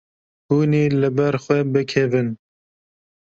Hûn ê li ber xwe bikevin.